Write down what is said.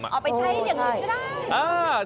อ้อไปใช้อย่างหนึ่งก็ได้